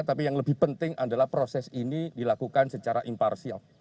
tapi yang lebih penting adalah proses ini dilakukan secara imparsial